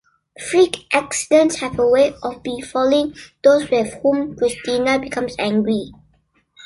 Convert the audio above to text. Freak "accidents" have a way of befalling those with whom Christina becomes angry.